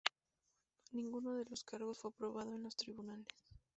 Ninguno de los cargos fue probado en los tribunales.